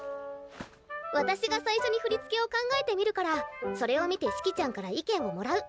私が最初に振り付けを考えてみるからそれを見て四季ちゃんから意見をもらう。